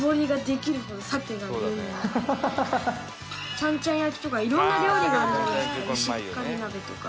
ちゃんちゃん焼きとか色んな料理があるんですけど石狩鍋とか。